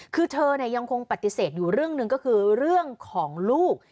คือเธอยังคงปฏิเสธอยู่เรื่องหนึ่งก็คือเรื่องของลูก